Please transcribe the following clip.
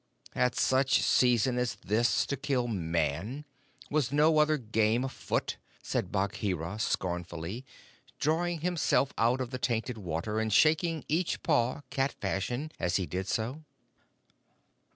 "At such a season as this to kill Man! Was no other game afoot?" said Bagheera scornfully, drawing himself out of the tainted water, and shaking each paw, cat fashion, as he did so.